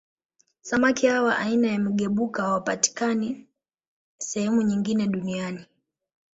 Samaki hawa aina ya Migebuka hawapatikani sehemu nyingine Duniani